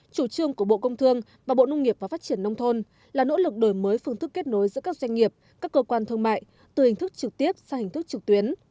chủ trương của bộ công thương và bộ nông nghiệp và phát triển nông thôn là nỗ lực đổi mới phương thức kết nối giữa các doanh nghiệp các cơ quan thương mại từ hình thức trực tiếp sang hình thức trực tuyến